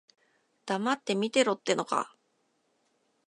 黙って見てろってのか。